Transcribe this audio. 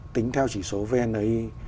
tính theo chỉ số vni